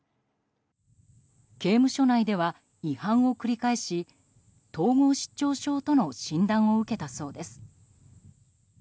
刑務所内では違反を繰り返し統合失調症との診断を受けたそうです。